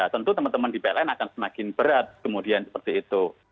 tentu teman teman di pln akan semakin berat kemudian seperti itu